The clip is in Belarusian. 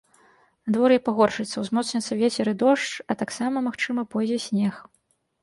Надвор'е пагоршыцца, узмоцняцца вецер і дождж, а таксама, магчыма, пойдзе снег.